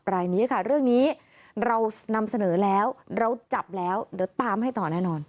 รายนี้ค่ะเรื่องนี้เรานำเสนอแล้วเราจับแล้วเดี๋ยวตามให้ต่อแน่นอน